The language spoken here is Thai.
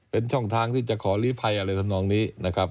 เป็นช่องทางที่จะขอลิภัยอะไรทั้งน้องนี้